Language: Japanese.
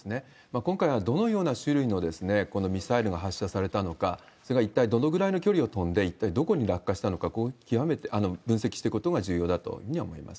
今回はどのような種類のミサイルが発射されたのか、それがいったいどのぐらいの距離を飛んで、一体どこに落下したのか、見極めて分析していくことが重要だというふうには思います。